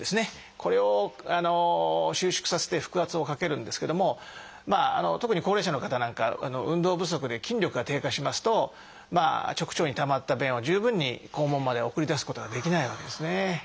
これを収縮させて腹圧をかけるんですけども特に高齢者の方なんかは運動不足で筋力が低下しますと直腸にたまった便を十分に肛門まで送り出すことができないわけですね。